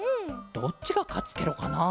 どっちがかつケロかな？